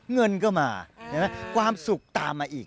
เงินก็มาความสุขตามมาอีก